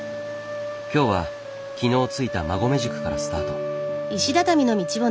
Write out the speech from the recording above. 今日は昨日着いた馬籠宿からスタート。